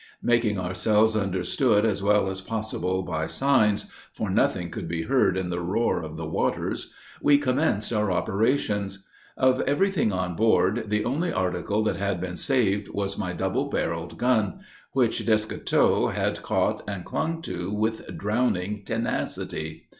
Making ourselves understood as well as possible by signs, (for nothing could be heard in the roar of the waters,) we commenced our operations. Of every thing on board, the only article that had been saved was my double barreled gun, which Descoteaux had caught and clung to with drowning tenacity.